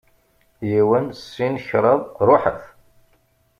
Yiwen, sin, kraḍ, ruḥet!